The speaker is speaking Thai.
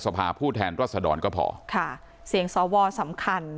สิ่งศวสำคัญ